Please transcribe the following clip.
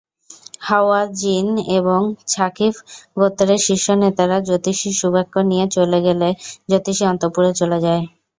হাওয়াযিন এবং ছাকীফ গোত্রের শীর্ষনেতারা জ্যোতিষীর সুবাক্য নিয়ে চলে গেলে জ্যোতিষী অন্তপুরে চলে যায়।